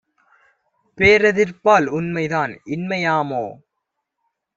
பேரெதிர்ப்பால் உண்மைதான் இன்மை யாமோ?